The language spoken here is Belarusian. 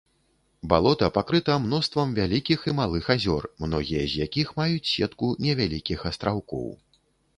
Балота пакрыта мноствам вялікіх і малых азёр, многія з якіх маюць сетку невялікіх астраўкоў.